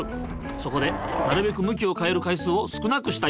そこでなるべく向きを変える回数を少なくしたい。